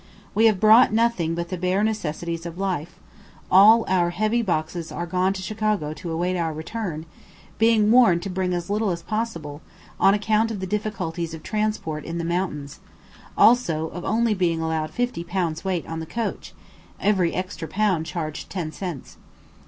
We have brought nothing but the bare necessaries of life all our heavy boxes are gone to Chicago to await our return being warned to bring as little as possible, on account of the difficulties of transport in the mountains, also of only being allowed 50 lbs. weight on the coach, every extra lb. charged ten cents.